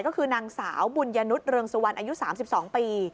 ก็คือนางสาวบุญยนุษยเรืองสุวรรณอายุ๓๒ปี